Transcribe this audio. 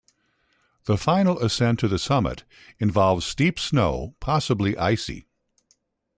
The final ascent to the summit involves steep snow, possibly icy.